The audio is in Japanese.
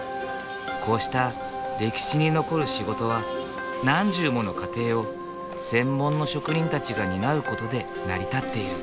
こうした歴史に残る仕事は何十もの過程を専門の職人たちが担う事で成り立っている。